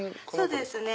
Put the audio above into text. そうですね。